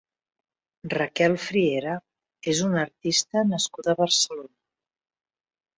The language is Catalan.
Raquel Friera és una artista nascuda a Barcelona.